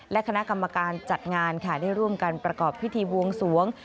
และคณะกรรมการจัดงานค่ะได้ร่วมกันประกอบพิธีบวงสวง